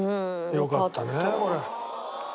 よかったねこれ。